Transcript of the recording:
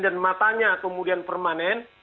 dan matanya kemudian permanen